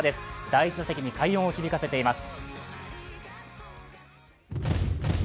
第１打席に快音を響かせています。